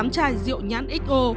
bảy mươi tám chai rượu nhãn xo